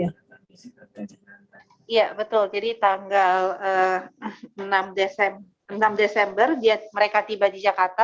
jadi tanggal enam desember mereka tiba di jakarta